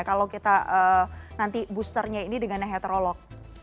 kalau kita nanti boosternya ini dengan heterolog